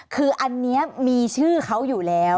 คืออันนี้มีชื่อเขาอยู่แล้ว